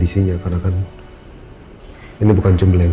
silahkan mbak mbak